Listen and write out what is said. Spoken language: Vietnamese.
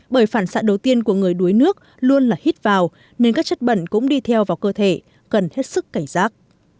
bởi phản xạ đầu tiên của người đuối nước luôn là hít vào nên các chất bẩn cũng đi theo vào cơ thể cần hết sức cảnh giác